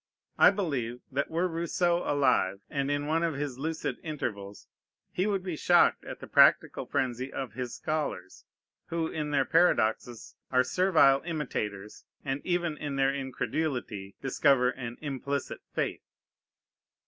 I believe, that, were Rousseau alive, and in one of his lucid intervals, he would be shocked at the practical frenzy of his scholars, who in their paradoxes are servile imitators, and even in their incredulity discover an implicit faith.